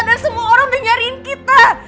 dan semua orang udah nyariin kita